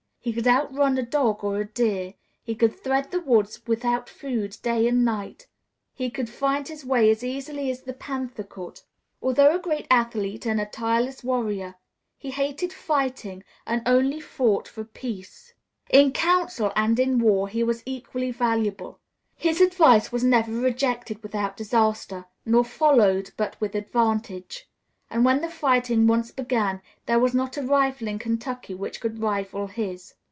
He could outrun a dog or a deer; he could thread the woods without food day and night; he could find his way as easily as the panther could. Although a great athlete and a tireless warrior, he hated fighting and only fought for peace. In council and in war he was equally valuable. His advice was never rejected without disaster, nor followed but with advantage; and when the fighting once began there was not a rifle in Kentucky which could rival his.